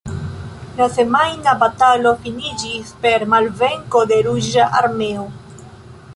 La semajna batalo finiĝis per malvenko de Ruĝa Armeo.